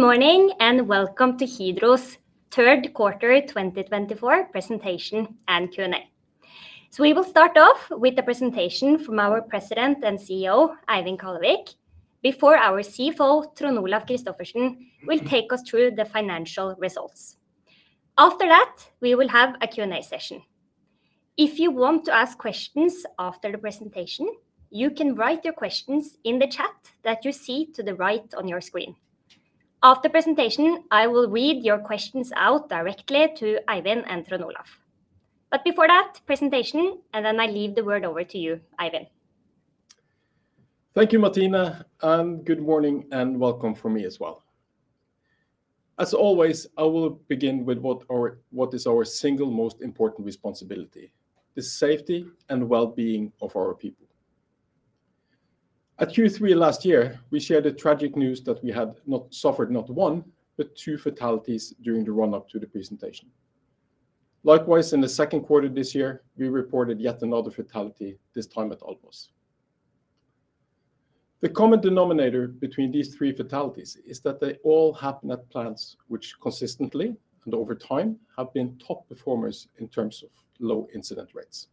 Good morning, and welcome to Hydro's third quarter 2024 presentation and Q&A. So we will start off with a presentation from our President and CEO, Eivind Kallevik, before our CFO, Trond Olav Kristoffersen, will take us through the financial results. After that, we will have a Q&A session. If you want to ask questions after the presentation, you can write your questions in the chat that you see to the right on your screen. After [the] presentation, I will read your questions out directly to Eivind and Trond Olav. But before that, presentation, and then I leave the word over to you, Eivind. Thank you, Martine, and good morning, and welcome from me as well. As always, I will begin with what is our single most important responsibility, the safety and well-being of our people. At Q3 last year, we shared the tragic news that we had not suffered not one, but two fatalities during the run-up to the presentation. Likewise, in the second quarter this year, we reported yet another fatality, this time at Alvesta. The common denominator between these three fatalities is that they all happened at plants which consistently and over time have been top performers in terms of low incident rates.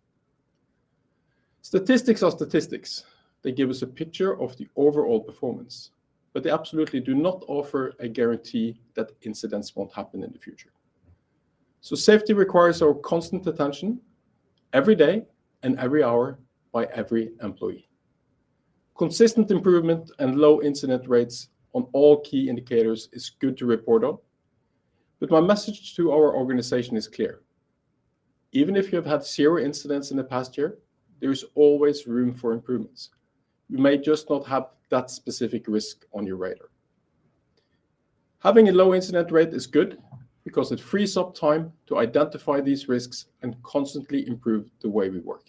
Statistics are statistics. They give us a picture of the overall performance, but they absolutely do not offer a guarantee that incidents won't happen in the future. So safety requires our constant attention every day and every hour by every employee. Consistent improvement and low incident rates on all key indicators is good to report on, but my message to our organization is clear: even if you have had zero incidents in the past year, there is always room for improvements. You may just not have that specific risk on your radar. Having a low incident rate is good because it frees up time to identify these risks and constantly improve the way we work.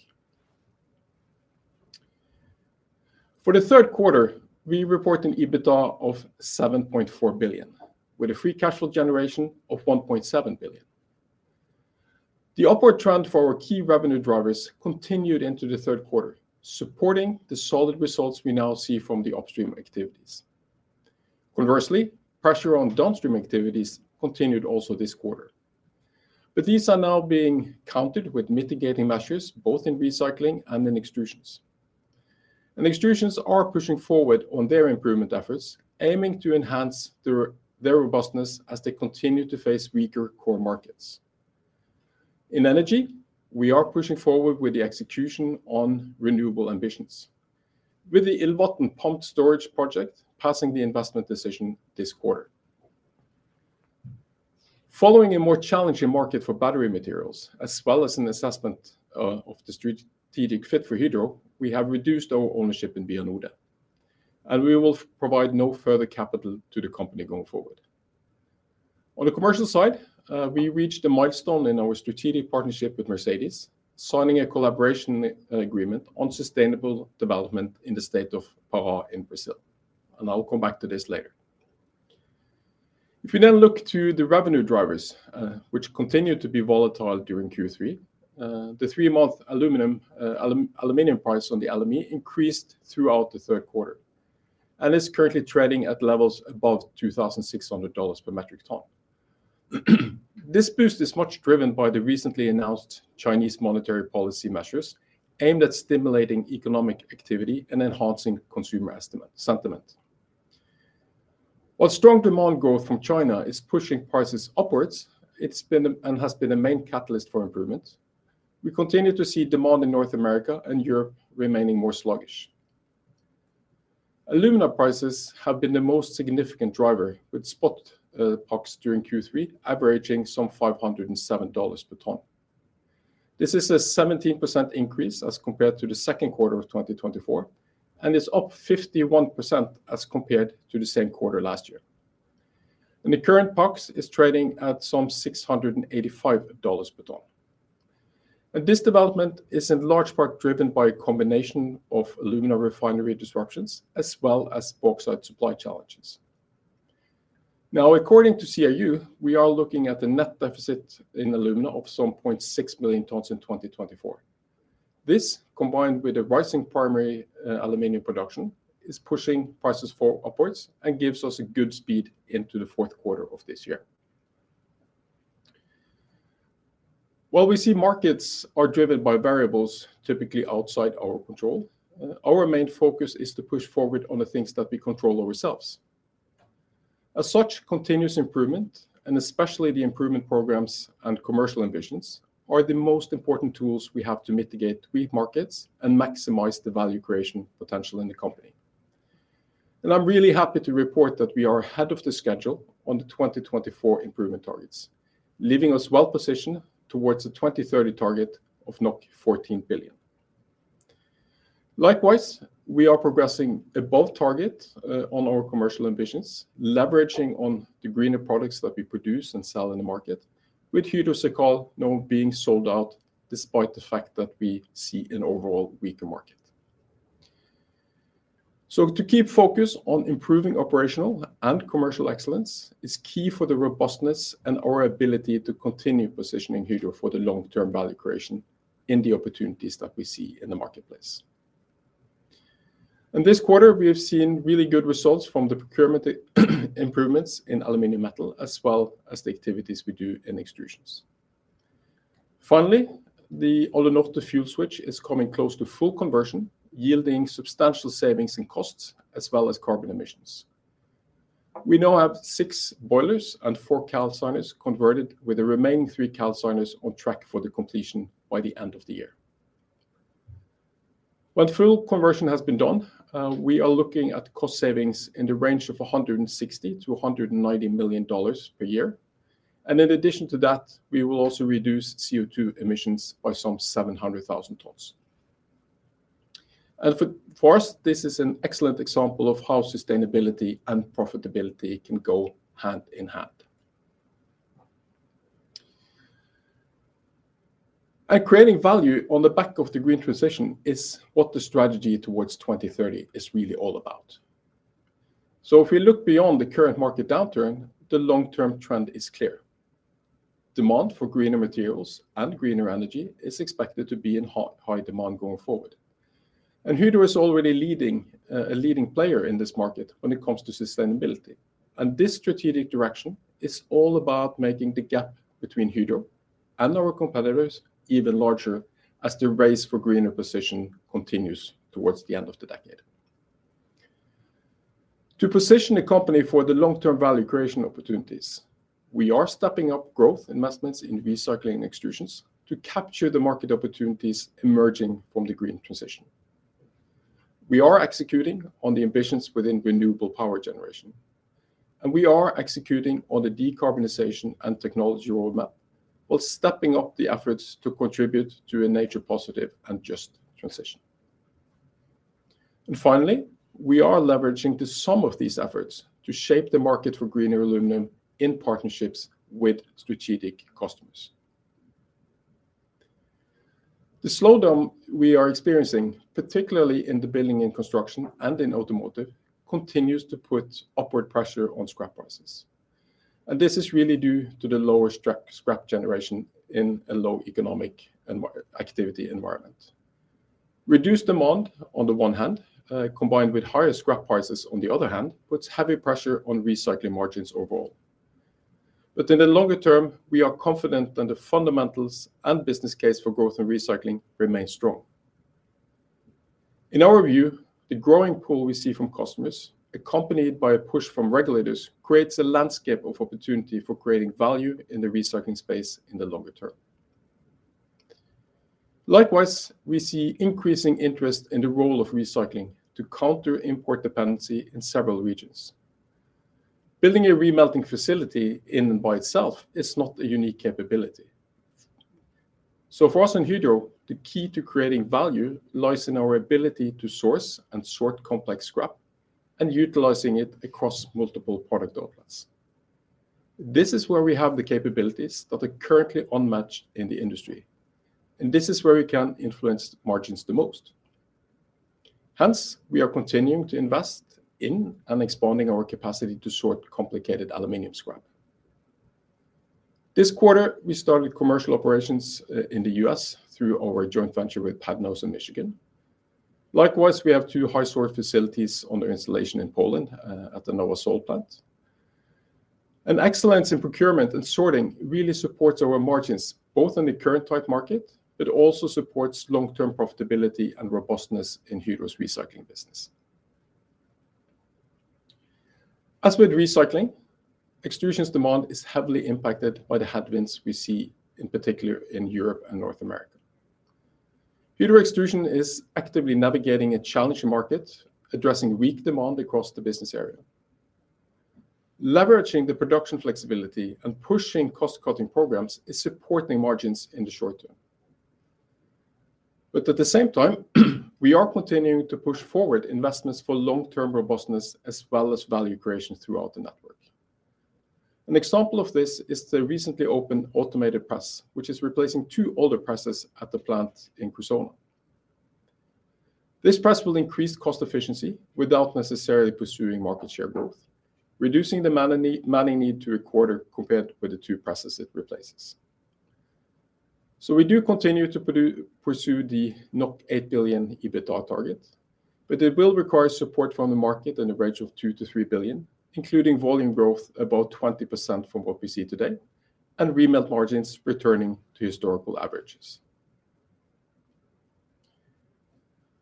For the third quarter, we report an EBITDA of 7.4 billion, with a free cash flow generation of 1.7 billion. The upward trend for our key revenue drivers continued into the third quarter, supporting the solid results we now see from the upstream activities. Conversely, pressure on downstream activities continued also this quarter, but these are now being countered with mitigating measures, both in recycling and in extrusions. Extrusions are pushing forward on their improvement efforts, aiming to enhance their, their robustness as they continue to face weaker core markets. In Energy, we are pushing forward with the execution on renewable ambitions, with the Ilvatn Pumped Storage project passing the investment decision this quarter. Following a more challenging market for battery materials, as well as an assessment of the strategic fit for Hydro, we have reduced our ownership in Vianode, and we will provide no further capital to the company going forward. On the commercial side, we reached a milestone in our strategic partnership with Mercedes, signing a collaboration agreement on sustainable development in the state of Pará in Brazil, and I will come back to this later. If you then look to the revenue drivers, which continued to be volatile during Q3, the three-month aluminum price on the LME increased throughout the third quarter and is currently trending at levels above $2,600 per metric ton. This boost is much driven by the recently announced Chinese monetary policy measures aimed at stimulating economic activity and enhancing consumer sentiment. While strong demand growth from China is pushing prices upwards, it's been a main catalyst for improvement. We continue to see demand in North America and Europe remaining more sluggish. Alumina prices have been the most significant driver, with spot prices during Q3 averaging some $507 per ton. This is a 17% increase as compared to the second quarter of 2024 and is up 51% as compared to the same quarter last year. The current spot is trading at some $685 per ton. This development is in large part driven by a combination of alumina refinery disruptions as well as bauxite supply challenges. Now, according to CRU, we are looking at the net deficit in alumina of some 0.6 million tons in 2024. This, combined with the rising primary aluminum production, is pushing prices upwards and gives us a good setup into the fourth quarter of this year. While we see markets are driven by variables typically outside our control, our main focus is to push forward on the things that we control ourselves. As such, continuous improvement, and especially the improvement programs and commercial ambitions, are the most important tools we have to mitigate weak markets and maximize the value creation potential in the company. I'm really happy to report that we are ahead of schedule on the 2024 improvement targets, leaving us well positioned towards the 2030 target of 14 billion. Likewise, we are progressing above target on our commercial ambitions, leveraging on the greener products that we produce and sell in the market, with Hydro CIRCAL now being sold out, despite the fact that we see an overall weaker market. To keep focus on improving operational and commercial excellence is key for the robustness and our ability to continue positioning Hydro for the long-term value creation in the opportunities that we see in the marketplace. In this quarter, we have seen really good results from the procurement improvements in aluminum metal, as well as the activities we do in extrusions. Finally, the Alunorte fuel switch is coming close to full conversion, yielding substantial savings in costs as well as carbon emissions. We now have six boilers and four calciners converted, with the remaining three calciners on track for the completion by the end of the year. When full conversion has been done, we are looking at cost savings in the range of $160-$190 million per year, and in addition to that, we will also reduce CO₂ emissions by some 700,000 tons. And for us, this is an excellent example of how sustainability and profitability can go hand in hand. And creating value on the back of the green transition is what the strategy towards 2030 is really all about. So if we look beyond the current market downturn, the long-term trend is clear. Demand for greener materials and greener energy is expected to be in high, high demand going forward. And Hydro is already leading, a leading player in this market when it comes to sustainability. And this strategic direction is all about making the gap between Hydro and our competitors even larger as the race for greener position continues towards the end of the decade. To position the company for the long-term value creation opportunities, we are stepping up growth investments in recycling extrusions to capture the market opportunities emerging from the green transition. We are executing on the ambitions within renewable power generation, and we are executing on the decarbonization and technology roadmap, while stepping up the efforts to contribute to a nature positive and just transition. And finally, we are leveraging the sum of these efforts to shape the market for greener aluminum in partnerships with strategic customers. The slowdown we are experiencing, particularly in the building and construction and in automotive, continues to put upward pressure on scrap prices, and this is really due to the lower scrap generation in a low economic activity environment. Reduced demand on the one hand, combined with higher scrap prices, on the other hand, puts heavy pressure on recycling margins overall. But in the longer term, we are confident that the fundamentals and business case for growth and recycling remain strong. In our view, the growing pool we see from customers, accompanied by a push from regulators, creates a landscape of opportunity for creating value in the recycling space in the longer term. Likewise, we see increasing interest in the role of recycling to counter import dependency in several regions. Building a re-melting facility in and by itself is not a unique capability. So for us in Hydro, the key to creating value lies in our ability to source and sort complex scrap and utilizing it across multiple product outlets. This is where we have the capabilities that are currently unmatched in the industry, and this is where we can influence margins the most. Hence, we are continuing to invest in and expanding our capacity to sort complicated aluminum scrap. This quarter, we started commercial operations in the U.S. through our joint venture with PADNOS in Michigan. Likewise, we have two high-sort facilities under installation in Poland at the Nowa Sól plant. Excellence in procurement and sorting really supports our margins, both in the current tight market, but also supports long-term profitability and robustness in Hydro's recycling business. As with recycling, Extrusions demand is heavily impacted by the headwinds we see, in particular in Europe and North America. Hydro Extrusion is actively navigating a challenging market, addressing weak demand across the business area. Leveraging the production flexibility and pushing cost-cutting programs is supporting margins in the short term. But at the same time, we are continuing to push forward investments for long-term robustness as well as value creation throughout the network. An example of this is the recently opened automated press, which is replacing two older presses at the plant in Cressona. This press will increase cost efficiency without necessarily pursuing market share growth, reducing the manning need to a quarter compared with the two presses it replaces. We do continue to pursue the 8 billion EBITDA target, but it will require support from the market in the range of 2-3 billion, including volume growth, about 20% from what we see today, and remelt margins returning to historical averages.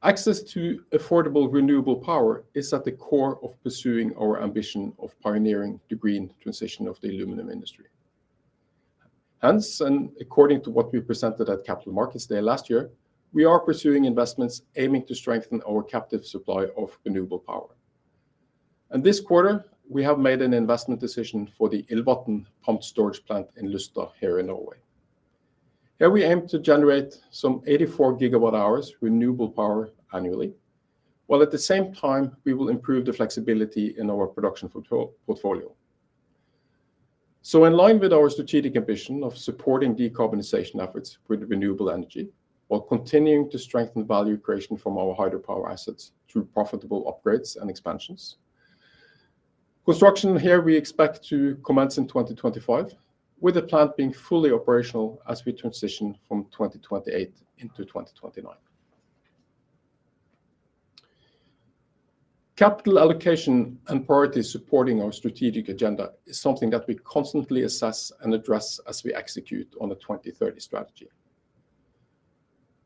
Access to affordable, renewable power is at the core of pursuing our ambition of pioneering the green transition of the aluminum industry. Hence, and according to what we presented at Capital Markets Day last year, we are pursuing investments aiming to strengthen our captive supply of renewable power. And this quarter, we have made an investment decision for the Ilvatn pumped storage plant in Luster, here in Norway. Here we aim to generate some 84 gigawatt hours renewable power annually, while at the same time, we will improve the flexibility in our production portfolio. In line with our strategic ambition of supporting decarbonization efforts with renewable energy, while continuing to strengthen the value creation from our hydropower assets through profitable upgrades and expansions. Construction here, we expect to commence in 2025, with the plant being fully operational as we transition from 2028 into 2029. Capital allocation and priorities supporting our strategic agenda is something that we constantly assess and address as we execute on the 2030 strategy.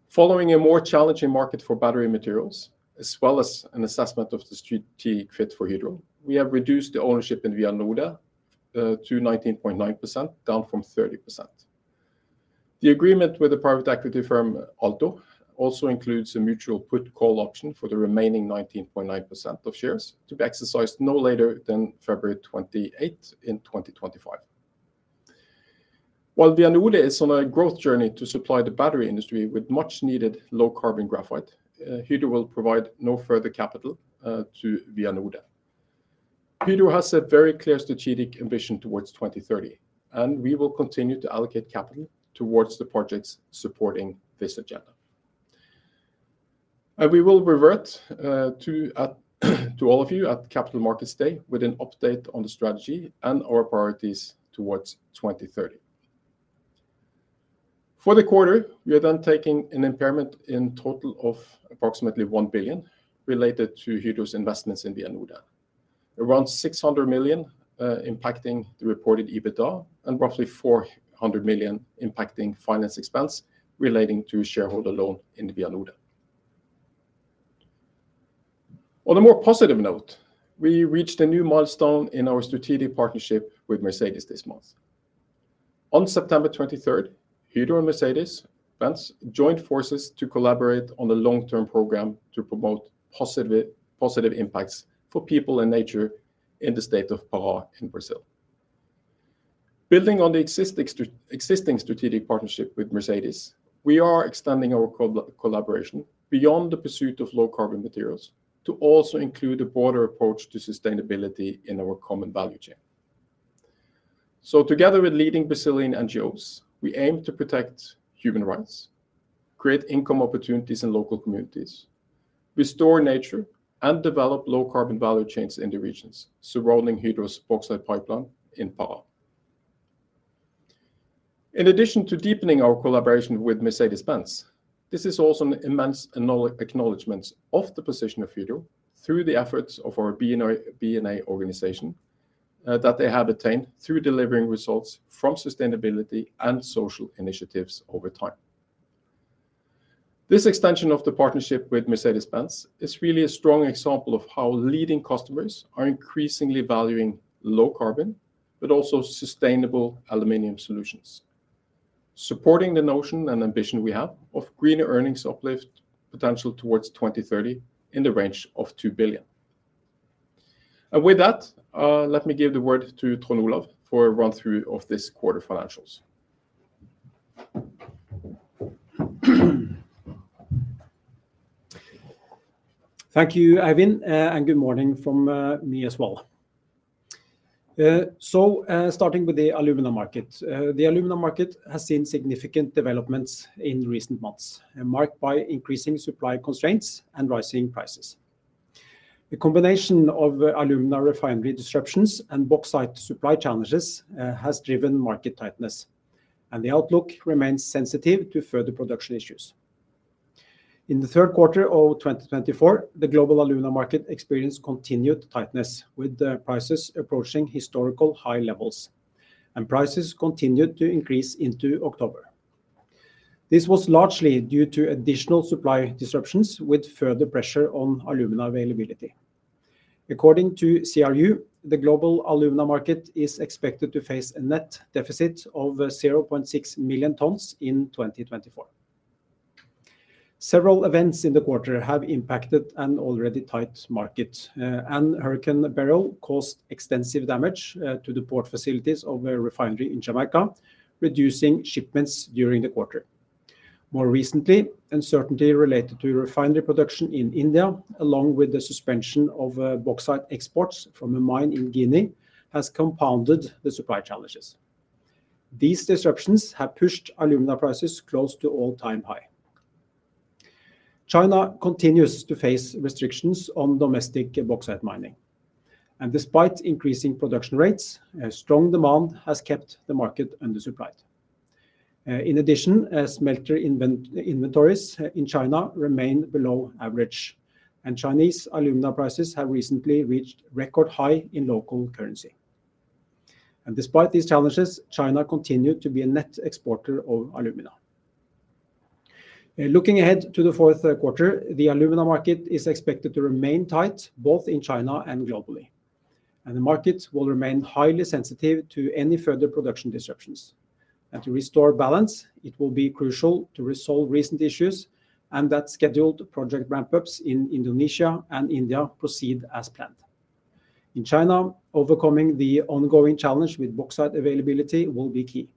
Following a more challenging market for battery materials, as well as an assessment of the strategic fit for Hydro, we have reduced the ownership in Vianode to 19.9%, down from 30%. The agreement with the private equity firm, Altor, also includes a mutual put call option for the remaining 19.9% of shares, to be exercised no later than February 28, 2025. While Vianode is on a growth journey to supply the battery industry with much needed low-carbon graphite, Hydro will provide no further capital to Vianode. Hydro has a very clear strategic ambition towards 2030, and we will continue to allocate capital towards the projects supporting this agenda. We will revert to all of you at Capital Markets Day with an update on the strategy and our priorities towards 2030. For the quarter, we are then taking an impairment in total of approximately 1 billion, related to Hydro's investments in Vianode. Around 600 million impacting the reported EBITDA, and roughly 400 million impacting finance expense relating to shareholder loan in Vianode. On a more positive note, we reached a new milestone in our strategic partnership with Mercedes this month. On September 23rd, Hydro and Mercedes-Benz joined forces to collaborate on a long-term program to promote positive impacts for people and nature in the state of Pará in Brazil. Building on the existing strategic partnership with Mercedes, we are extending our collaboration beyond the pursuit of low-carbon materials, to also include a broader approach to sustainability in our common value chain. So together with leading Brazilian NGOs, we aim to protect human rights, create income opportunities in local communities, restore nature, and develop low-carbon value chains in the regions surrounding Hydro's bauxite pipeline in Pará. In addition to deepening our collaboration with Mercedes-Benz, this is also an immense acknowledgment of the position of Hydro through the efforts of our B&I, B&A organization, that they have attained through delivering results from sustainability and social initiatives over time. This extension of the partnership with Mercedes-Benz is really a strong example of how leading customers are increasingly valuing low carbon, but also sustainable aluminum solutions. Supporting the notion and ambition we have of greener earnings uplift potential towards 2030, in the range of two billion. And with that, let me give the word to Trond Olav for a run-through of this quarter financials. Thank you, Eivind, and good morning from me as well. So, starting with the alumina market. The alumina market has seen significant developments in recent months, and marked by increasing supply constraints and rising prices. The combination of alumina refinery disruptions and bauxite supply challenges has driven market tightness, and the outlook remains sensitive to further production issues. In the third quarter of 2024, the global alumina market experienced continued tightness, with the prices approaching historical high levels, and prices continued to increase into October. This was largely due to additional supply disruptions, with further pressure on alumina availability. According to CRU, the global alumina market is expected to face a net deficit of 0.6 million tons in2024. Several events in the quarter have impacted an already tight market. And Hurricane Beryl caused extensive damage to the port facilities of a refinery in Jamaica, reducing shipments during the quarter. More recently, uncertainty related to refinery production in India, along with the suspension of bauxite exports from a mine in Guinea, has compounded the supply challenges. These disruptions have pushed alumina prices close to all-time high. China continues to face restrictions on domestic bauxite mining, and despite increasing production rates, a strong demand has kept the market undersupplied. In addition, a smelter inventories in China remain below average, and Chinese alumina prices have recently reached record high in local currency. And despite these challenges, China continued to be a net exporter of alumina. Looking ahead to the fourth quarter, the alumina market is expected to remain tight, both in China and globally, and the market will remain highly sensitive to any further production disruptions. To restore balance, it will be crucial to resolve recent issues, and that scheduled project ramp-ups in Indonesia and India proceed as planned. In China, overcoming the ongoing challenge with bauxite availability will be key,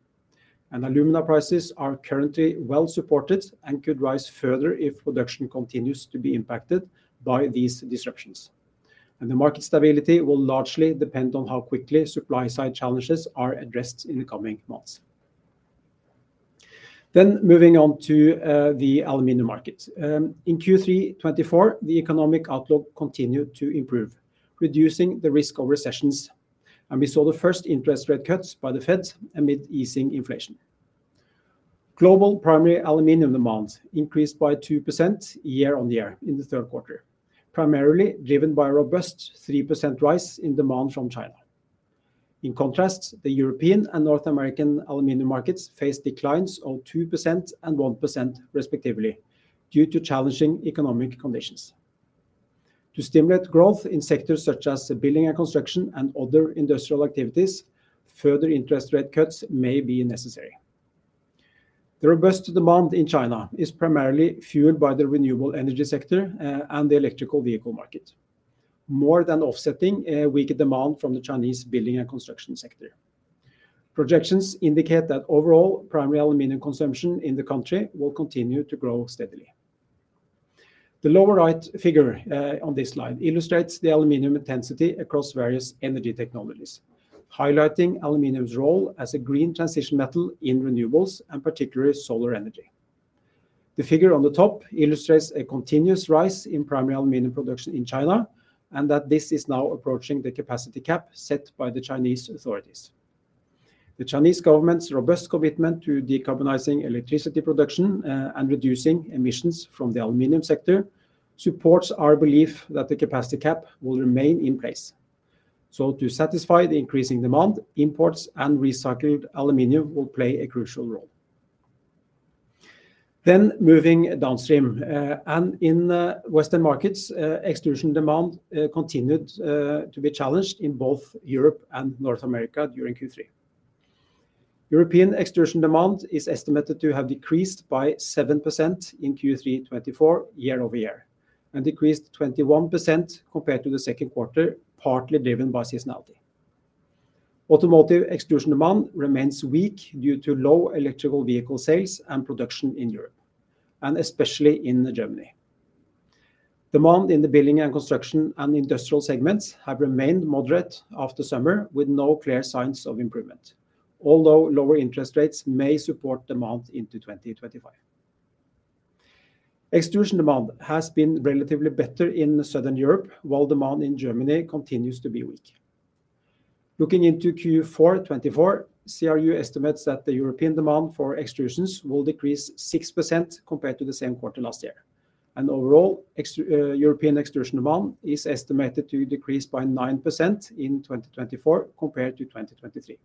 and alumina prices are currently well supported and could rise further if production continues to be impacted by these disruptions. The market stability will largely depend on how quickly supply side challenges are addressed in the coming months. Moving on to the aluminium market. In Q3 2024, the economic outlook continued to improve, reducing the risk of recessions, and we saw the first interest rate cuts by the Feds amid easing inflation. Global primary aluminium demand increased by 2% year on year in the third quarter, primarily driven by a robust 3% rise in demand from China. In contrast, the European and North American aluminum markets faced declines of 2% and 1% respectively, due to challenging economic conditions. To stimulate growth in sectors such as building and construction and other industrial activities, further interest rate cuts may be necessary. The robust demand in China is primarily fueled by the renewable energy sector and the electric vehicle market, more than offsetting a weaker demand from the Chinese building and construction sector. Projections indicate that overall, primary aluminum consumption in the country will continue to grow steadily. The lower right figure on this slide illustrates the aluminum intensity across various energy technologies, highlighting aluminum's role as a green transition metal in renewables, and particularly solar energy. The figure on the top illustrates a continuous rise in primary aluminum production in China, and that this is now approaching the capacity cap set by the Chinese authorities. The Chinese government's robust commitment to decarbonizing electricity production, and reducing emissions from the aluminum sector, supports our belief that the capacity cap will remain in place. So to satisfy the increasing demand, imports and recycled aluminum will play a crucial role. Then, moving downstream, and in Western markets, extrusion demand continued to be challenged in both Europe and North America during Q3. European extrusion demand is estimated to have decreased by 7% in Q3 2024, year-over-year, and decreased 21% compared to the second quarter, partly driven by seasonality. Automotive extrusion demand remains weak due to low electric vehicle sales and production in Europe, and especially in Germany. Demand in the building and construction and industrial segments have remained moderate after summer, with no clear signs of improvement, although lower interest rates may support demand into 2025. Extrusion demand has been relatively better in Southern Europe, while demand in Germany continues to be weak. Looking into Q4 2024, CRU estimates that the European demand for extrusions will decrease 6% compared to the same quarter last year. Overall, European extrusion demand is estimated to decrease by 9% in 2024 compared to 2023.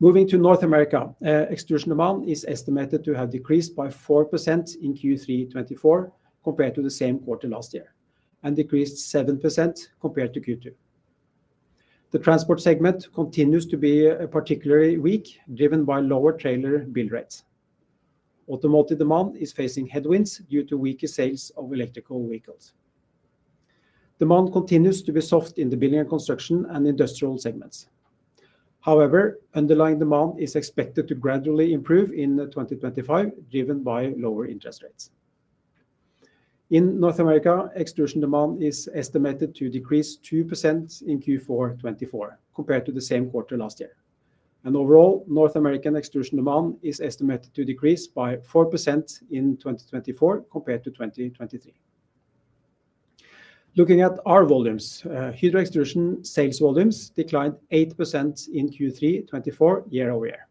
Moving to North America, extrusion demand is estimated to have decreased by 4% in Q3 2024, compared to the same quarter last year, and decreased 7% compared to Q2. The transport segment continues to be particularly weak, driven by lower trailer build rates. Automotive demand is facing headwinds due to weaker sales of electric vehicles. Demand continues to be soft in the building and construction and industrial segments. However, underlying demand is expected to gradually improve in 2025, driven by lower interest rates. In North America, extrusion demand is estimated to decrease 2% in Q4 2024, compared to the same quarter last year. And overall, North American extrusion demand is estimated to decrease by 4% in 2024, compared to 2023. Looking at our volumes, Hydro Extrusion sales volumes declined 8% in Q3 2024, year-over-year.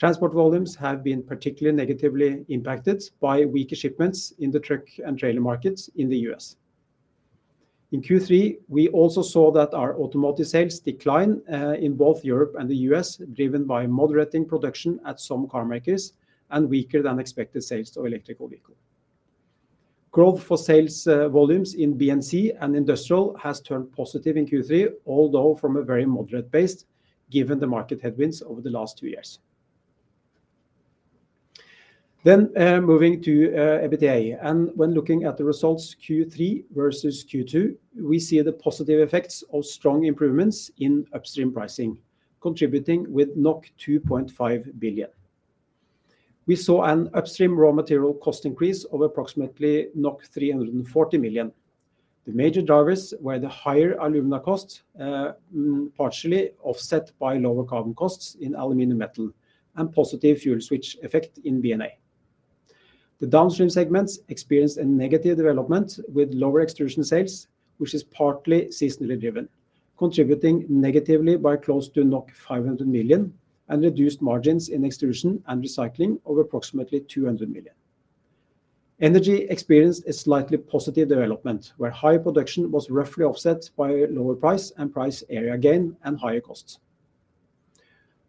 Transport volumes have been particularly negatively impacted by weaker shipments in the truck and trailer markets in the U.S. In Q3, we also saw that our automotive sales decline, in both Europe and the U.S., driven by moderating production at some car makers and weaker than expected sales of electric vehicle. Growth for sales, volumes in B&C and industrial has turned positive in Q3, although from a very moderate base, given the market headwinds over the last two years. Then, moving to EBITDA, and when looking at the results, Q3 versus Q2, we see the positive effects of strong improvements in upstream pricing, contributing with 2.5 billion. We saw an upstream raw material cost increase of approximately 340 million. The major drivers were the higher alumina costs, partially offset by lower carbon costs in aluminum metal, and positive fuel switch effect in B&A. The downstream segments experienced a negative development with lower extrusion sales, which is partly seasonally driven, contributing negatively by close to 500 million, and reduced margins in extrusion and recycling of approximately 200 million. Energy experienced a slightly positive development, where high production was roughly offset by a lower price and price area gain and higher costs.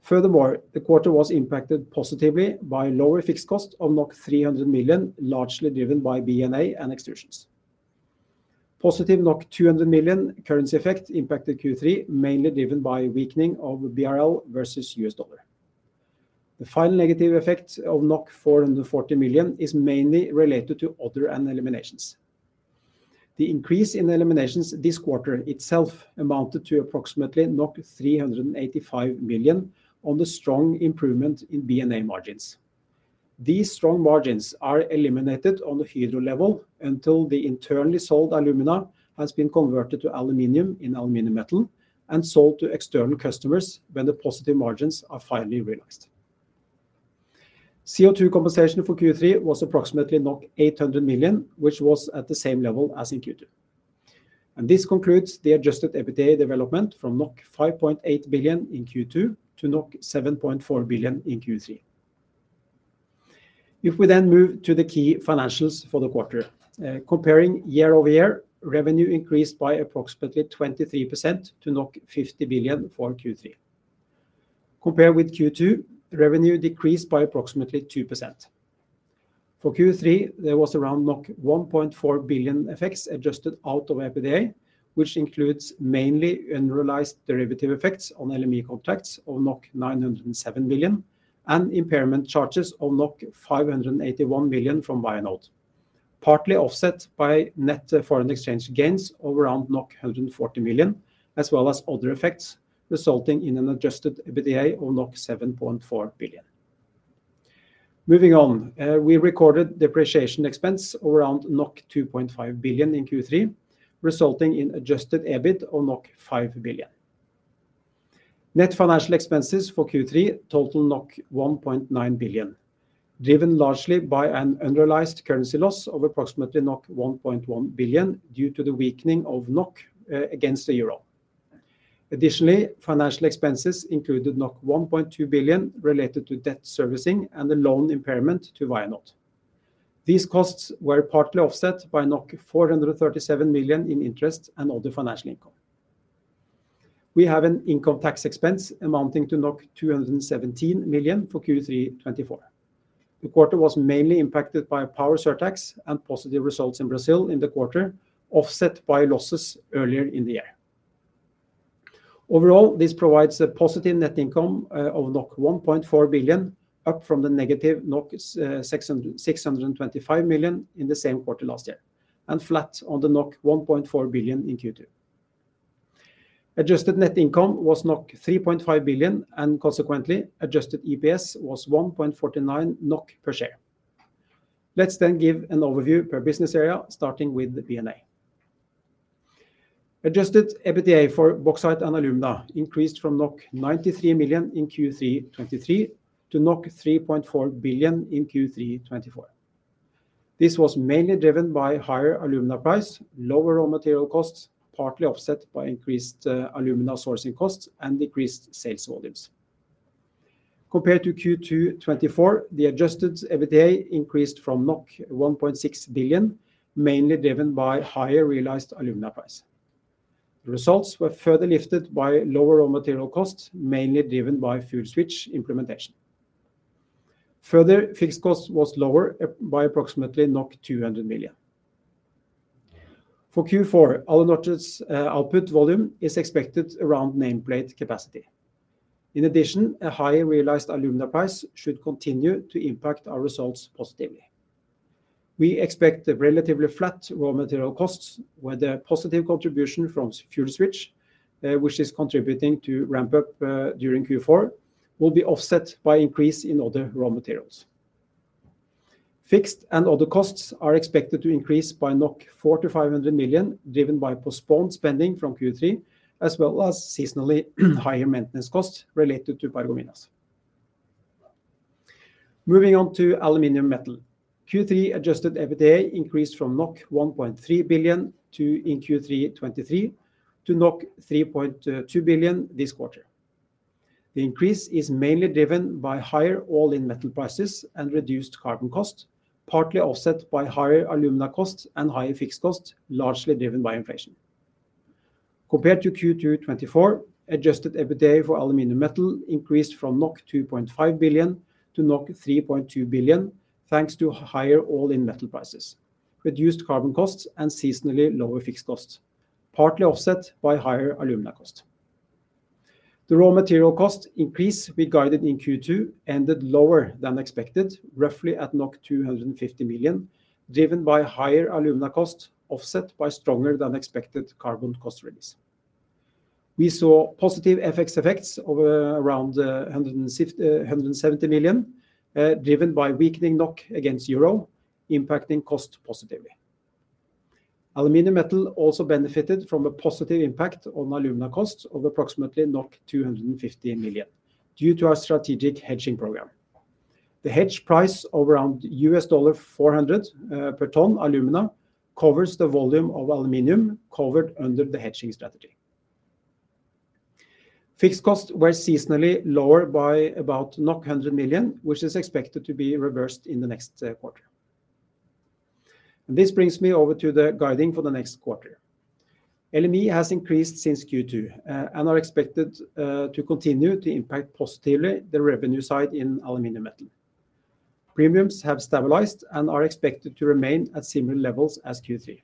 Furthermore, the quarter was impacted positively by lower fixed cost of 300 million, largely driven by B&A and extrusions. Positive 200 million currency effect impacted Q3, mainly driven by weakening of BRL versus U.S. dollar. The final negative effect of 440 million is mainly related to other and eliminations. The increase in eliminations this quarter itself amounted to approximately 385 million on the strong improvement in B&A margins. These strong margins are eliminated on the Hydro level until the internally sold alumina has been converted to aluminum in aluminum metal and sold to external customers when the positive margins are finally realized. CO₂ compensation for Q3 was approximately 800 million, which was at the same level as in Q2. This concludes the adjusted EBITDA development from 5.8 billion in Q2 to 7.4 billion in Q3. If we then move to the key financials for the quarter, comparing year-over-year, revenue increased by approximately 23% to 50 billion for Q3. Compared with Q2, revenue decreased by approximately 2%. For Q3, there was around 1.4 billion effects adjusted out of EBITDA, which includes mainly unrealized derivative effects on LME contracts of 907 million and impairment charges of 581 million from Vianode, partly offset by net foreign exchange gains of around 140 million, as well as other effects, resulting in an adjusted EBITDA of 7.4 billion. Moving on, we recorded depreciation expense around 2.5 billion in Q3, resulting in adjusted EBIT of 5 billion. Net financial expenses for Q3 total 1.9 billion, driven largely by an unrealized currency loss of approximately 1.1 billion, due to the weakening of NOK against the euro. Additionally, financial expenses included 1.2 billion related to debt servicing and the loan impairment to Vianode. These costs were partly offset by 437 million in interest and other financial income. We have an income tax expense amounting to 217 million for Q3 2024. The quarter was mainly impacted by power surtax and positive results in Brazil in the quarter, offset by losses earlier in the year. Overall, this provides a positive net income of 1.4 billion, up from the negative 625 million in the same quarter last year, and flat on the 1.4 billion in Q2. Adjusted net income was 3.5 billion, and consequently, adjusted EPS was 1.49 NOK per share. Let's then give an overview per business area, starting with the B&A. Adjusted EBITDA for bauxite and alumina increased from 93 million in Q3 2023 to 3.4 billion in Q3 2024. This was mainly driven by higher alumina price, lower raw material costs, partly offset by increased alumina sourcing costs and decreased sales volumes. Compared to Q2 2024, the adjusted EBITDA increased from 1.6 billion, mainly driven by higher realized alumina price. The results were further lifted by lower raw material costs, mainly driven by fuel switch implementation. Further, fixed cost was lower by approximately 200 million. For Q4, Alunorte's output volume is expected around nameplate capacity. In addition, a higher realized alumina price should continue to impact our results positively. We expect the relatively flat raw material costs, where the positive contribution from fuel switch, which is contributing to ramp up, during Q4, will be offset by increase in other raw materials. Fixed and other costs are expected to increase by NOK 4.5 billion, driven by postponed spending from Q3, as well as seasonally, higher maintenance costs related to Paragominas. Moving on to aluminium metal. Q3 adjusted EBITDA increased from 1.3 billion in Q3 2023 to 3.2 billion this quarter. The increase is mainly driven by higher all-in metal prices and reduced carbon cost, partly offset by higher alumina costs and higher fixed costs, largely driven by inflation. Compared to Q2 2024, adjusted EBITDA for aluminum metal increased from 2.5 billion to 3.2 billion, thanks to higher all-in metal prices, reduced carbon costs, and seasonally lower fixed costs, partly offset by higher alumina cost. The raw material cost increase we guided in Q2 ended lower than expected, roughly at 250 million, driven by higher alumina costs, offset by stronger than expected carbon cost release. We saw positive FX effects of around 150-170 million, driven by weakening NOK against euro, impacting cost positively. Aluminum metal also benefited from a positive impact on alumina costs of approximately 250 million due to our strategic hedging program. The hedge price of around $400 per tonne alumina covers the volume of aluminum covered under the hedging strategy. Fixed costs were seasonally lower by about 100 million, which is expected to be reversed in the next quarter. This brings me over to the guidance for the next quarter. LME has increased since Q2 and are expected to continue to impact positively the revenue side in aluminum metal. Premiums have stabilized and are expected to remain at similar levels as Q3.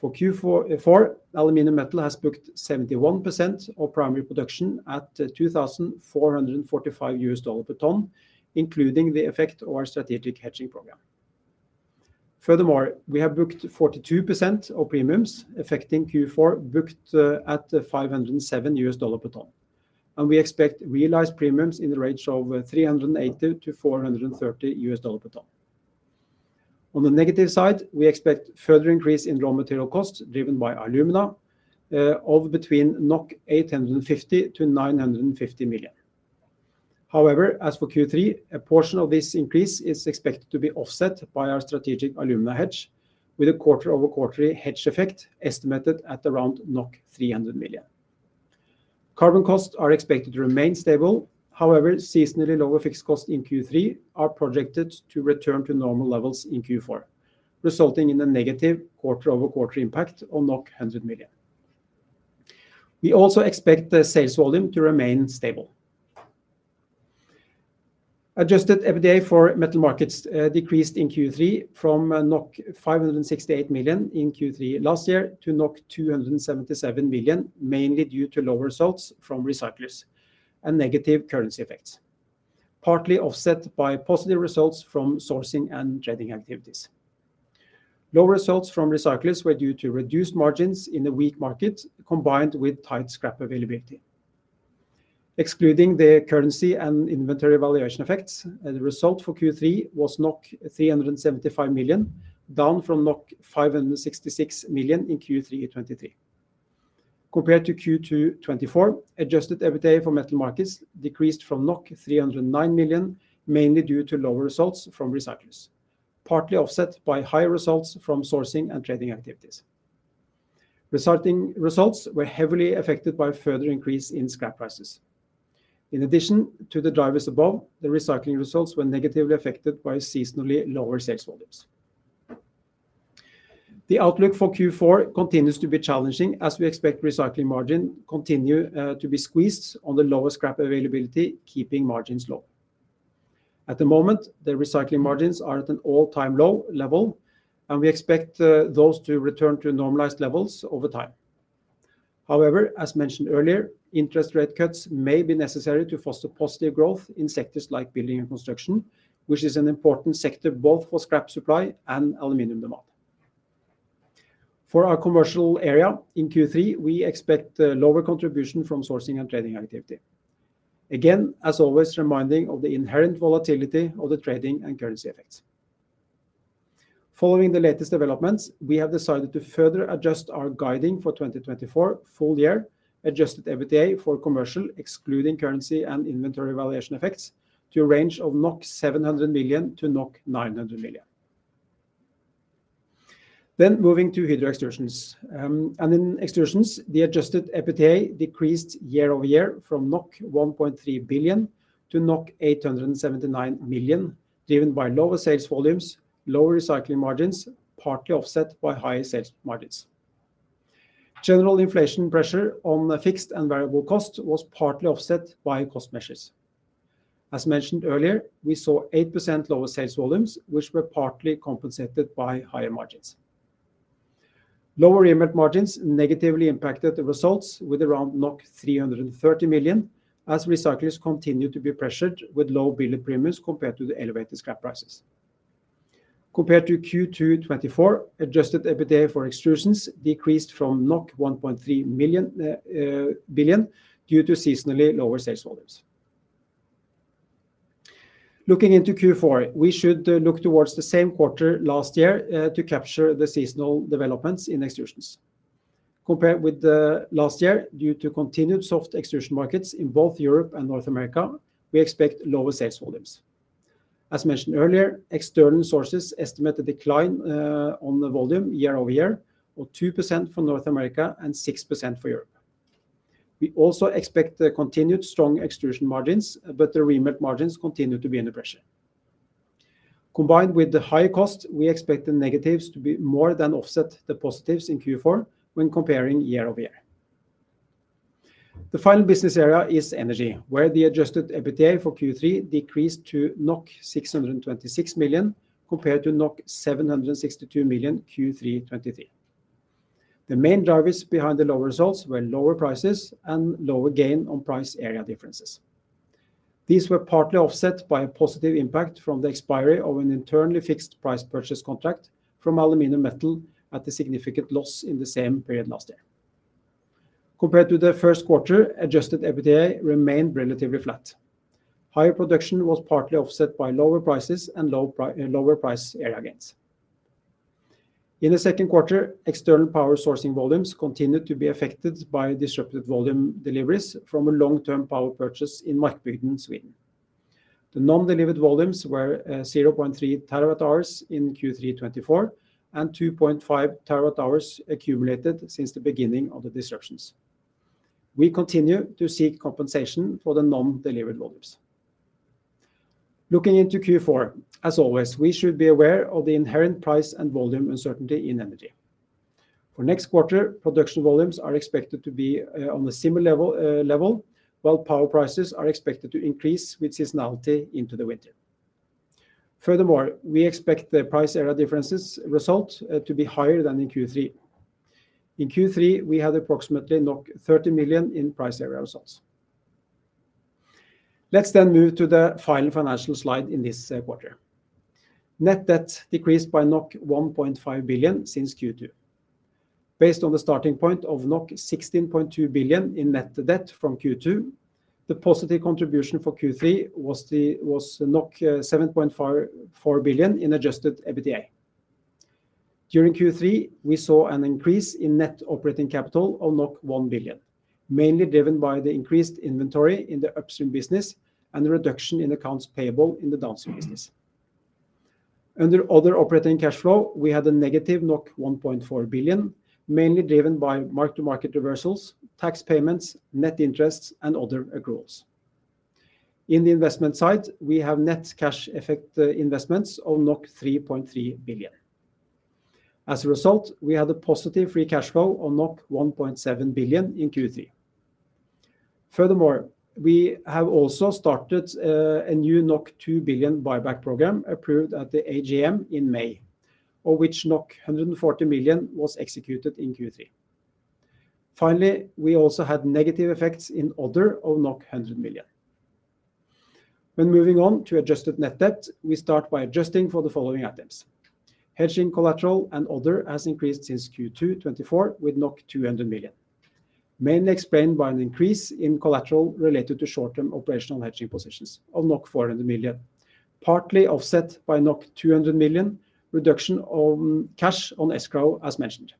For Q4, aluminum metal has booked 71% of primary production at $2,445 per tonne, including the effect of our strategic hedging program.... Furthermore, we have booked 42% of premiums affecting Q4, booked at $507 per ton. We expect realized premiums in the range of $380 to $430 per ton. On the negative side, we expect further increase in raw material costs, driven by alumina of between 850-950 million NOK. However, as for Q3, a portion of this increase is expected to be offset by our strategic alumina hedge, with a quarter over quarterly hedge effect estimated at around 300 million. Carbon costs are expected to remain stable. However, seasonally lower fixed cost in Q3 are projected to return to normal levels in Q4, resulting in a negative quarter over quarter impact on NOK 100 million. We also expect the sales volume to remain stable. Adjusted EBITDA for metal markets decreased in Q3 from 568 million in Q3 last year to 277 million, mainly due to lower results from recyclers and negative currency effects, partly offset by positive results from sourcing and trading activities. Lower results from recyclers were due to reduced margins in the weak market, combined with tight scrap availability. Excluding the currency and inventory valuation effects, the result for Q3 was 375 million, down from 566 million in Q3 2023. Compared to Q2 2024, adjusted EBITDA for metal markets decreased from 309 million, mainly due to lower results from recyclers, partly offset by higher results from sourcing and trading activities. Resulting results were heavily affected by a further increase in scrap prices. In addition to the drivers above, the recycling results were negatively affected by seasonally lower sales volumes. The outlook for Q4 continues to be challenging, as we expect recycling margin continue to be squeezed on the lower scrap availability, keeping margins low. At the moment, the recycling margins are at an all-time low level, and we expect those to return to normalized levels over time. However, as mentioned earlier, interest rate cuts may be necessary to foster positive growth in sectors like building and construction, which is an important sector both for scrap supply and aluminum demand. For our commercial area in Q3, we expect a lower contribution from sourcing and trading activity. Again, as always, reminding of the inherent volatility of the trading and currency effects. Following the latest developments, we have decided to further adjust our guiding for 2024 full year, adjusted EBITDA for commercial, excluding currency and inventory valuation effects, to a range of 700 million-900 million NOK. Then moving to Hydro Extrusions. And in Extrusions, the adjusted EBITDA decreased year-over-year from 1.3 billion to 879 million, driven by lower sales volumes, lower recycling margins, partly offset by higher sales margins. General inflation pressure on the fixed and variable cost was partly offset by cost measures. As mentioned earlier, we saw 8% lower sales volumes, which were partly compensated by higher margins. Lower remelt margins negatively impacted the results with around 330 million, as recyclers continue to be pressured with low billet premiums compared to the elevated scrap prices. Compared to Q2 2024, adjusted EBITDA for Extrusions decreased from 1.3 billion due to seasonally lower sales volumes. Looking into Q4, we should look towards the same quarter last year to capture the seasonal developments in Extrusions. Compared with the last year, due to continued soft extrusion markets in both Europe and North America, we expect lower sales volumes. As mentioned earlier, external sources estimate a decline on the volume year-over-year, or 2% for North America and 6% for Europe. We also expect the continued strong extrusion margins, but the remelt margins continue to be under pressure. Combined with the higher costs, we expect the negatives to be more than offset the positives in Q4 when comparing year-over-year. The final business area is energy, where the adjusted EBITDA for Q3 decreased to 626 million compared to 762 million, Q3 2023. The main drivers behind the lower results were lower prices and lower gain on price area differences. These were partly offset by a positive impact from the expiry of an internally fixed price purchase contract from aluminum metal at a significant loss in the same period last year. Compared to the first quarter, adjusted EBITDA remained relatively flat. Higher production was partly offset by lower prices and lower price area gains. In the second quarter, external power sourcing volumes continued to be affected by disrupted volume deliveries from a long-term power purchase in Markbygden, Sweden. The non-delivered volumes were 0.3 terawatt hours in Q3 2024, and 2.5 terawatt hours accumulated since the beginning of the disruptions. We continue to seek compensation for the non-delivered volumes. Looking into Q4, as always, we should be aware of the inherent price and volume uncertainty in energy. For next quarter, production volumes are expected to be on a similar level while power prices are expected to increase with seasonality into the winter. Furthermore, we expect the price area differences result to be higher than in Q3. In Q3, we had approximately 30 million in price area results. Let's then move to the final financial slide in this quarter. Net debt decreased by 1.5 billion since Q2. Based on the starting point of 16.2 billion in net debt from Q2, the positive contribution for Q3 was 7.4 billion in adjusted EBITDA. During Q3, we saw an increase in net operating capital of 1 billion, mainly driven by the increased inventory in the upstream business and the reduction in accounts payable in the downstream business. Under other operating cash flow, we had a negative 1.4 billion, mainly driven by mark-to-market reversals, tax payments, net interests, and other accruals. In the investment side, we have net cash effect investments of 3.3 billion. As a result, we had a positive free cash flow of 1.7 billion in Q3. Furthermore, we have also started a new 2 billion buyback program approved at the AGM in May, of which 140 million was executed in Q3. Finally, we also had negative effects in other of 100 million. When moving on to adjusted net debt, we start by adjusting for the following items: hedging, collateral and other has increased since Q2 2024, with 200 million, mainly explained by an increase in collateral related to short-term operational hedging positions of 400 million, partly offset by 200 million reduction on cash on escrow, as mentioned.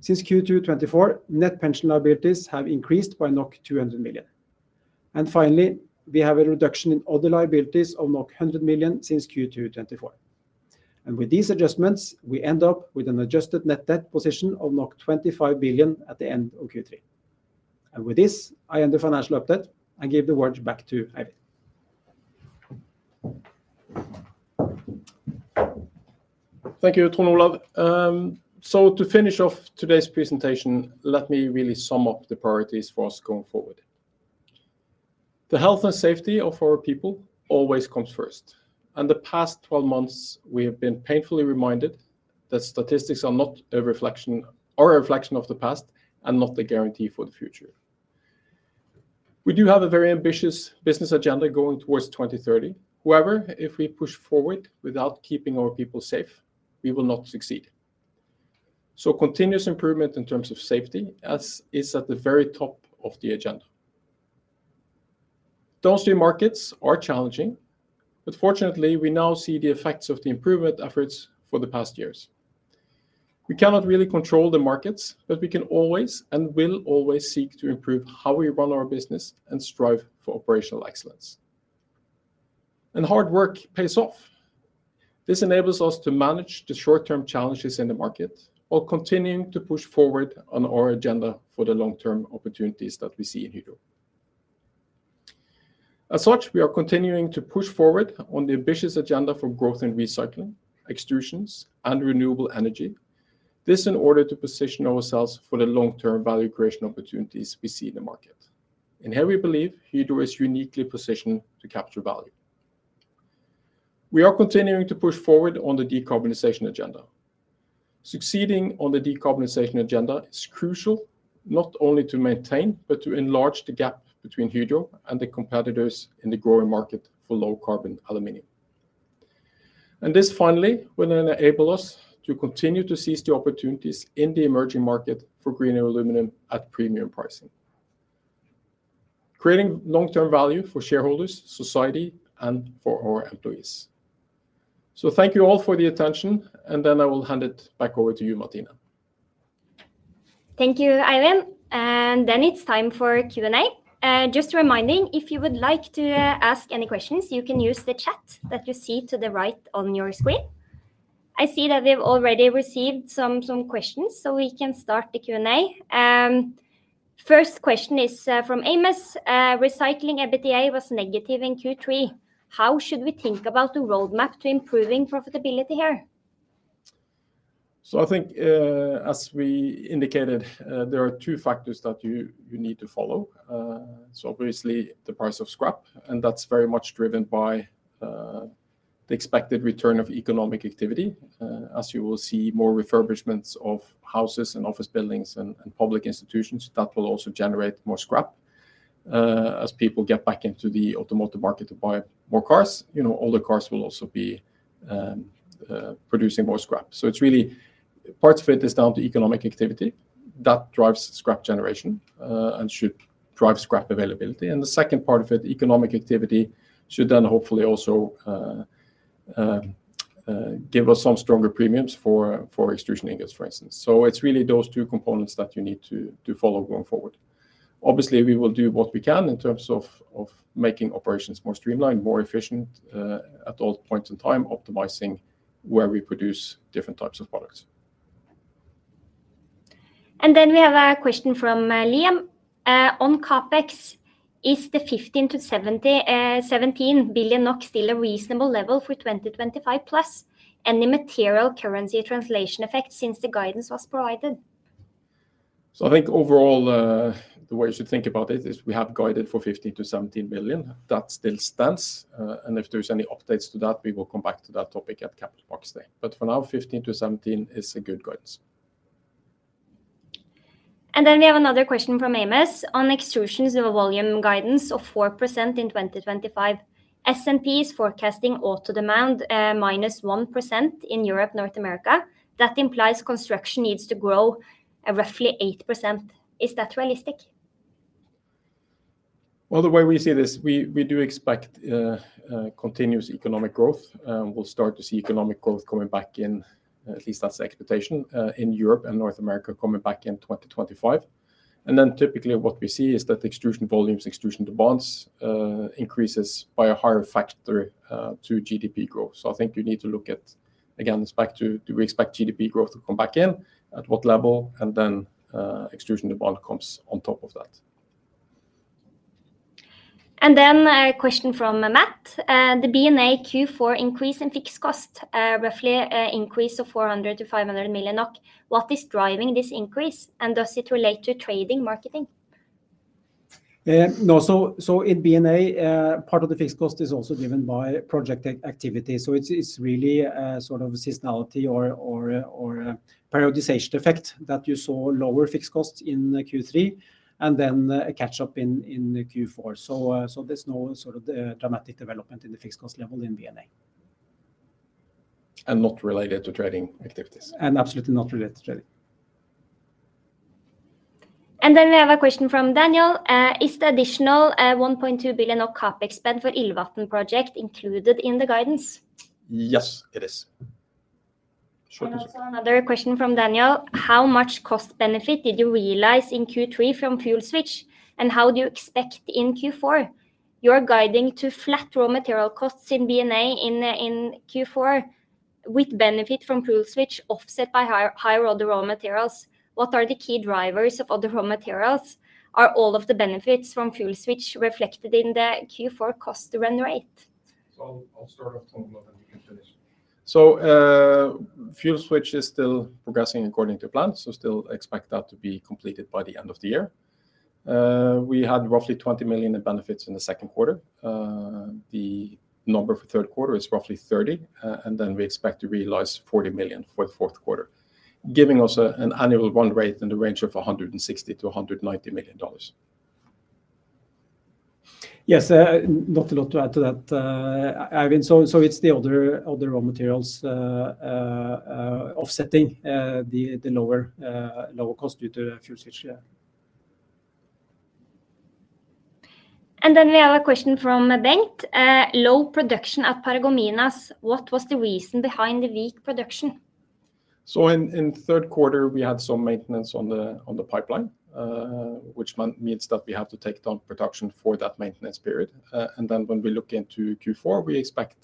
Since Q2 2024, net pension liabilities have increased by 200 million. And finally, we have a reduction in other liabilities of 100 million since Q2 2024. And with these adjustments, we end up with an adjusted net debt position of 25 billion at the end of Q3. And with this, I end the financial update and give the word back to Eivind. Thank you, Trond Olav, so to finish off today's presentation, let me really sum up the priorities for us going forward. The health and safety of our people always comes first, and the past twelve months, we have been painfully reminded that statistics are not a reflection of the past and not a guarantee for the future. We do have a very ambitious business agenda going towards 2030. However, if we push forward without keeping our people safe, we will not succeed, so continuous improvement in terms of safety is at the very top of the agenda. Downstream markets are challenging, but fortunately, we now see the effects of the improvement efforts for the past years. We cannot really control the markets, but we can always and will always seek to improve how we run our business and strive for operational excellence. Hard work pays off. This enables us to manage the short-term challenges in the market, while continuing to push forward on our agenda for the long-term opportunities that we see in Hydro. As such, we are continuing to push forward on the ambitious agenda for growth and recycling, extrusions and renewable energy. This, in order to position ourselves for the long-term value creation opportunities we see in the market. Here we believe Hydro is uniquely positioned to capture value. We are continuing to push forward on the decarbonization agenda. Succeeding on the decarbonization agenda is crucial, not only to maintain, but to enlarge the gap between Hydro and the competitors in the growing market for low-carbon aluminum. This, finally, will then enable us to continue to seize the opportunities in the emerging market for greener aluminum at premium pricing, creating long-term value for shareholders, society, and for our employees. Thank you all for the attention, and then I will hand it back over to you, Martine. Thank you, Eivind. Then it's time for Q&A. Just a reminder, if you would like to ask any questions, you can use the chat that you see to the right on your screen. I see that we've already received some questions, so we can start the Q&A. First question is from Amos: "Recycling EBITDA was negative in Q3. How should we think about the roadmap to improving profitability here? I think, as we indicated, there are two factors that you need to follow. Obviously, the price of scrap, and that's very much driven by the expected return of economic activity. As you will see, more refurbishments of houses and office buildings and public institutions, that will also generate more scrap. As people get back into the automotive market to buy more cars, you know, older cars will also be producing more scrap. It's really, parts of it is down to economic activity that drives scrap generation, and should drive scrap availability. The second part of it, economic activity, should then hopefully also give us some stronger premiums for extrusion ingots, for instance. It's really those two components that you need to follow going forward. Obviously, we will do what we can in terms of making operations more streamlined, more efficient, at all points in time, optimizing where we produce different types of products. Then we have a question from Liam. "On CapEx, is the 15-17 billion NOK still a reasonable level for 2025 plus? Any material currency translation effect since the guidance was provided? I think overall, the way you should think about it is we have guided for 15-17 billion. That still stands, and if there's any updates to that, we will come back to that topic at Capital Markets Day. But for now, 15-17 billion is a good guidance. And then we have another question from Amos on extrusions of a volume guidance of 4% in 2025. S&P is forecasting auto demand -1% in Europe, North America. That implies construction needs to grow at roughly 8%. Is that realistic? The way we see this, we do expect continuous economic growth. We'll start to see economic growth coming back in, at least that's the expectation, in Europe and North America, coming back in 2025. And then typically what we see is that extrusion volumes, extrusion demands increases by a higher factor to GDP growth. So I think you need to look at, again, it's back to do we expect GDP growth to come back in? At what level? And then, extrusion demand comes on top of that. Then a question from Matt. "The B&A Q4 increase in fixed cost, roughly, increase of 400-500 million. What is driving this increase, and does it relate to trading marketing? No, so in B&A, part of the fixed cost is also driven by project activity. So it's really a sort of seasonality or prioritization effect that you saw lower fixed costs in Q3, and then a catch-up in Q4. So there's no sort of dramatic development in the fixed cost level in B&A. Not related to trading activities. Absolutely not related to trading. Then we have a question from Daniel. "Is the additional 1.2 billion of CapEx spend for Ilvatn project included in the guidance? Yes, it is. Short answer. And also another question from Daniel: "How much cost benefit did you realize in Q3 from fuel switch, and how do you expect in Q4? You are guiding to flat raw material costs in B&A in, in Q4, with benefit from fuel switch offset by higher raw materials. What are the key drivers of other raw materials? Are all of the benefits from fuel switch reflected in the Q4 cost to run rate? I'll start off, Trond, and then you can finish. So, fuel switch is still progressing according to plan, so still expect that to be completed by the end of the year. We had roughly $20 million in benefits in the second quarter. The number for third quarter is roughly $30 million, and then we expect to realize $40 million for the fourth quarter, giving us an annual run rate in the range of $160 million-$190 million. Yes, not a lot to add to that, Eivind. So it's the other raw materials offsetting the lower cost due to fuel switch, yeah. Then we have a question from Bengt. "Low production at Paragominas, what was the reason behind the weak production? In third quarter, we had some maintenance on the pipeline, which means that we have to take down production for that maintenance period. Then when we look into Q4, we expect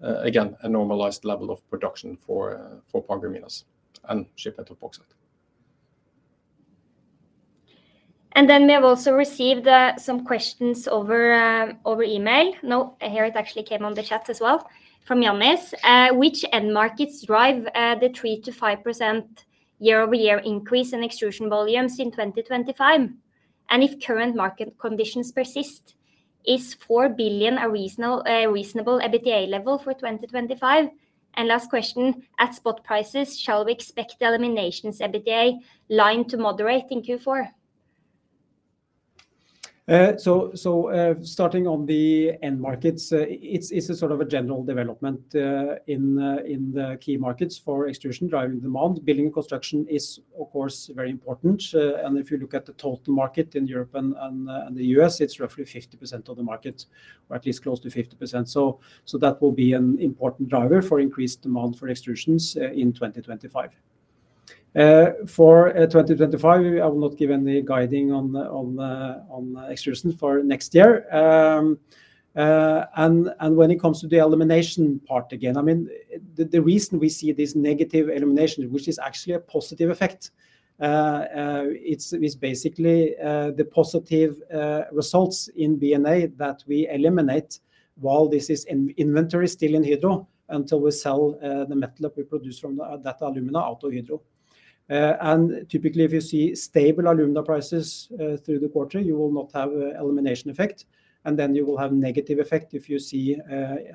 again a normalized level of production for Paragominas and shipment of bauxite. Then we have also received some questions over, over email. No, here it actually came on the chat as well, from James: "Which end markets drive the 3%-5% year-over-year increase in extrusion volumes in 2025? And if current market conditions persist, is 4 billion a reasonable, reasonable EBITDA level for 2025?" And last question: "At spot prices, shall we expect the eliminations EBITDA line to moderate in Q4? So starting on the end markets, it's a sort of a general development in the key markets for extrusion driving demand. Building and construction is, of course, very important, and if you look at the total market in Europe and the U.S., it's roughly 50% of the market, or at least close to 50%. So that will be an important driver for increased demand for extrusions in 2025. For 2025, I will not give any guidance on extrusion for next year. And when it comes to the elimination part, again, I mean, the reason we see this negative elimination, which is actually a positive effect, it's basically the positive results in B&A that we eliminate while this is in inventory still in Hydro, until we sell the metal that we produce from that alumina out of Hydro. And typically, if you see stable alumina prices through the quarter, you will not have a elimination effect, and then you will have negative effect if you see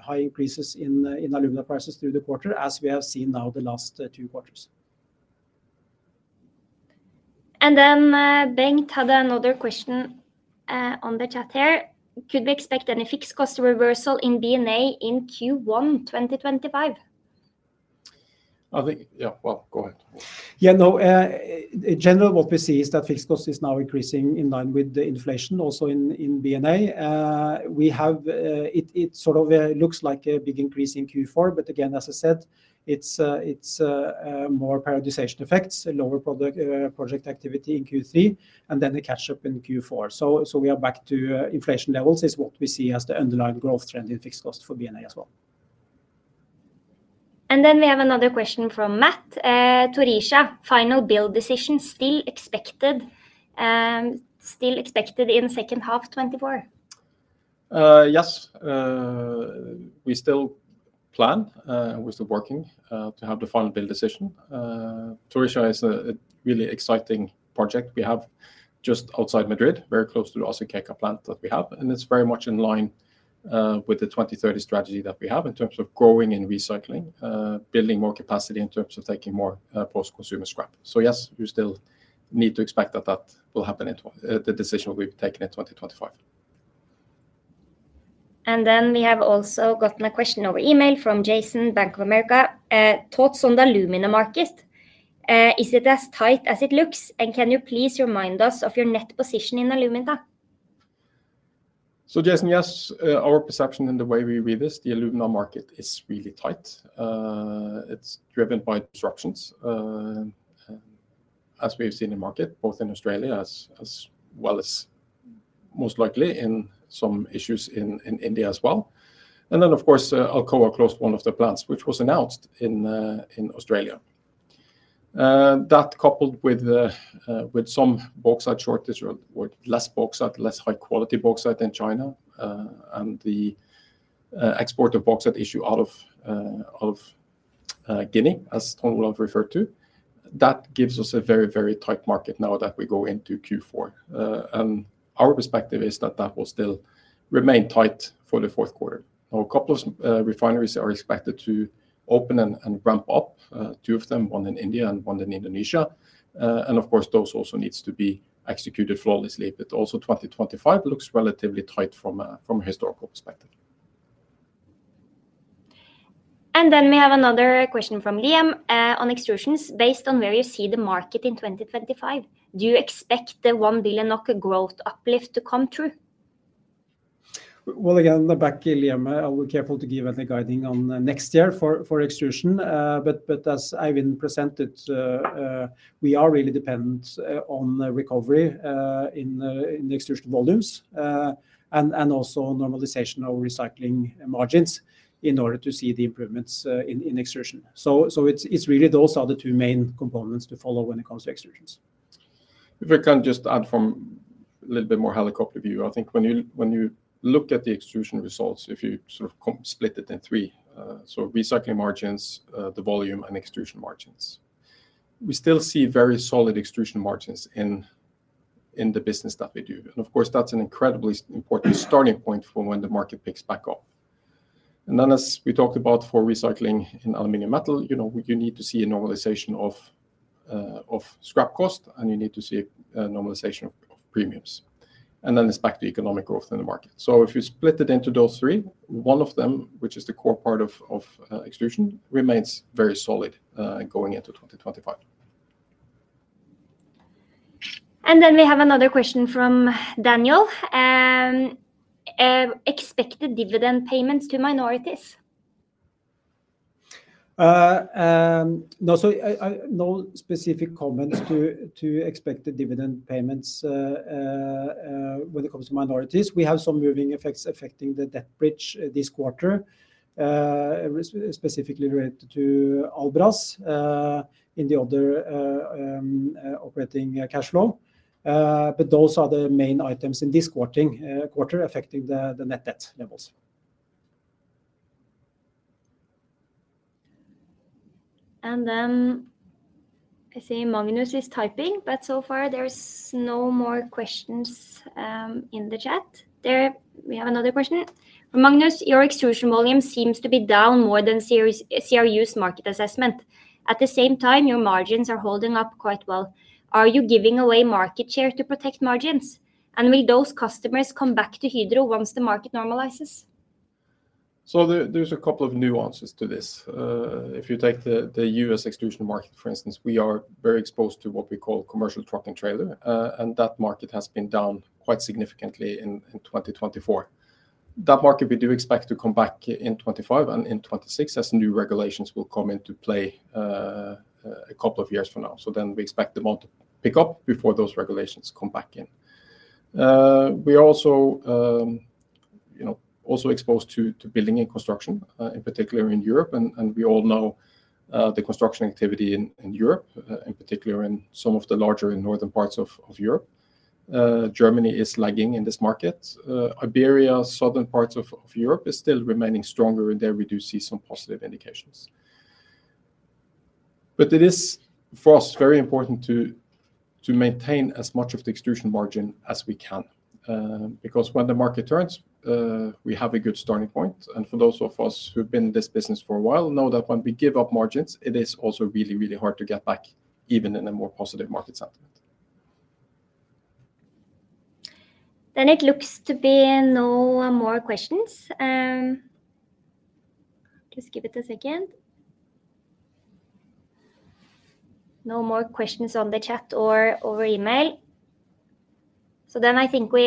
high increases in alumina prices through the quarter, as we have seen now the last two quarters. And then, Bengt had another question, on the chat here: "Could we expect any fixed cost reversal in B&A in Q1 2025? I think... Yeah, well, go ahead. Yeah, no, in general, what we see is that fixed cost is now increasing in line with the inflation, also in B&A. We have it sort of looks like a big increase in Q4, but again, as I said, it's more prioritization effects, lower product project activity in Q3, and then the catch-up in Q4. So we are back to inflation levels, is what we see as the underlying growth trend in fixed cost for B&A as well. And then we have another question from Matt. Torija, final build decision still expected, still expected in the second half 2024? Yes. We still plan, we're still working to have the final build decision. Torija is a really exciting project we have just outside Madrid, very close to the Azuqueca plant that we have, and it's very much in line with the 2030 strategy that we have in terms of growing and recycling, building more capacity in terms of taking more post-consumer scrap. So yes, you still need to expect that that will happen. The decision will be taken in 2025. And then we have also gotten a question over email from Jason, Bank of America, thoughts on the alumina market. Is it as tight as it looks? And can you please remind us of your net position in alumina? So, Jason, yes, our perception and the way we read this, the alumina market is really tight. It's driven by disruptions, as we've seen in market, both in Australia, as well as most likely in some issues in India as well. And then, of course, Alcoa closed one of the plants, which was announced in Australia. That coupled with some bauxite shortage or with less bauxite, less high-quality bauxite in China, and the export of bauxite issue out of Guinea, as John Thuestad referred to, that gives us a very, very tight market now that we go into Q4. And our perspective is that that will still remain tight for the fourth quarter. Now, a couple of refineries are expected to open and ramp up, two of them, one in India and one in Indonesia. And of course, those also needs to be executed flawlessly, but also 2025 looks relatively tight from a historical perspective. Then we have another question from Liam, on extrusions: Based on where you see the market in 2025, do you expect the one billion growth uplift to come true? Well, again, back to Liam, I'll be careful to give any guiding on next year for extrusion. But as Eivind presented, we are really dependent on the recovery in the extrusion volumes and also normalization of recycling margins in order to see the improvements in extrusion. So it's really those are the two main components to follow when it comes to extrusions. If I can just add from a little bit more helicopter view, I think when you look at the extrusion results, if you sort of split it in three, so recycling margins, the volume, and extrusion margins. We still see very solid extrusion margins in the business that we do. And of course, that's an incredibly important starting point for when the market picks back up. And then, as we talked about for recycling in aluminum metal, you know, you need to see a normalization of scrap cost, and you need to see a normalization of premiums. And then it's back to economic growth in the market. So if you split it into those three, one of them, which is the core part of extrusion, remains very solid going into 2025. And then we have another question from Daniel: Expected dividend payments to minorities? No specific comments to expected dividend payments when it comes to minorities. We have some moving effects affecting the debt bridge this quarter, specifically related to Albras in the other operating cash flow, but those are the main items in this quarter affecting the net debt levels. And then I see Magnus is typing, but so far there is no more questions in the chat. There, we have another question. Magnus, your extrusion volume seems to be down more than CRU's market assessment. At the same time, your margins are holding up quite well. Are you giving away market share to protect margins? And will those customers come back to Hydro once the market normalizes? There, there's a couple of nuances to this. If you take the U.S. extrusion market, for instance, we are very exposed to what we call commercial truck and trailer, and that market has been down quite significantly in 2024. That market we do expect to come back in 2025 and in 2026, as new regulations will come into play, a couple of years from now. So then we expect the amount to pick up before those regulations come back in. We are also, you know, also exposed to building and construction, in particular in Europe, and we all know the construction activity in Europe, in particular in some of the larger and northern parts of Europe. Germany is lagging in this market. Iberia, southern parts of Europe, is still remaining stronger, and there we do see some positive indications. But it is, for us, very important to maintain as much of the extrusion margin as we can, because when the market turns, we have a good starting point. And for those of us who have been in this business for a while know that when we give up margins, it is also really, really hard to get back, even in a more positive market sentiment. Then it looks to be no more questions. Just give it a second. No more questions on the chat or over email. So then I think we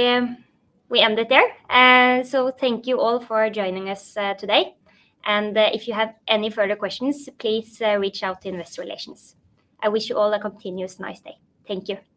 end it there. So thank you all for joining us today. And if you have any further questions, please reach out to Investor Relations. I wish you all a continuous nice day. Thank you.